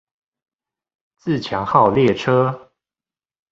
自強號列車